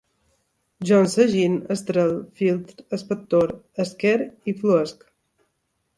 Jo ensagine, estrele, filtre, expectore, esquere, fluïsc